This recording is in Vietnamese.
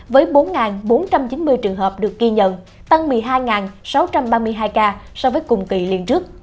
với bốn bốn trăm chín mươi trường hợp được ghi nhận tăng một mươi hai sáu trăm ba mươi hai ca so với cùng kỳ liên trước